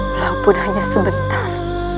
walaupun hanya sebentar